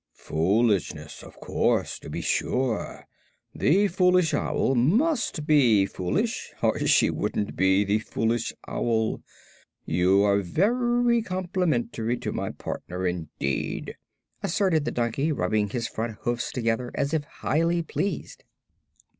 "Foolishness! Of course! To be sure! The Foolish Owl must be foolish or she wouldn't be the Foolish Owl. You are very complimentary to my partner, indeed," asserted the donkey, rubbing his front hoofs together as if highly pleased.